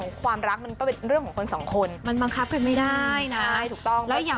ของความรักมันเป็นเรื่องของคนสองคนที่มันบังคับไปไม่ได้นะไอ้ตุ๊กต้องและอย่า